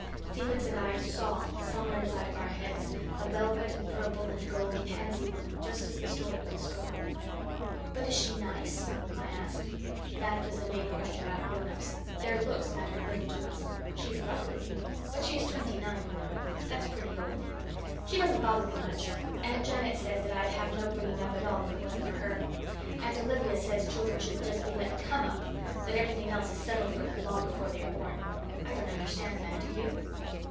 Felix and I SAW, somewhere inside of our heads, a velvet and purple and gold pansy woman, just as the Story Girl spoke. "But is she NICE?" I asked. That was the main question about grown ups. Their looks mattered little to us. "She is lovely. But she is twenty nine, you know. That's pretty old. She doesn't bother me much. Aunt Janet says that I'd have no bringing up at all, if it wasn't for her. Aunt Olivia says children should just be let COME up that everything else is settled for them long before they are born. I don't understand that. Do you?"